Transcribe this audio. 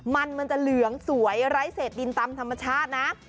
มันมันจะเหลืองสวยไร้เศษดินตามธรรมชาตินะ